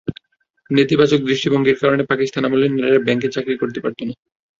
নেতিবাচক দৃষ্টিভঙ্গির কারণে পাকিস্তান আমলে নারীরা ব্যাংকে চাকরি করতে পারত না।